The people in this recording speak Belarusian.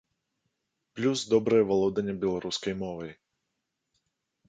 Плюс добрае валоданне беларускай мовай.